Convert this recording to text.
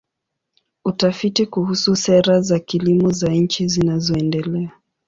Utafiti kuhusu sera za kilimo za nchi zinazoendelea.